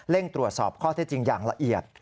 ตรวจสอบข้อเท็จจริงอย่างละเอียด